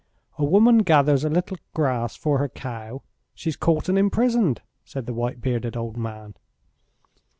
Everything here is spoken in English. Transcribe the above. "A woman gathers a little grass for her cow; she's caught and imprisoned," said the white bearded old man.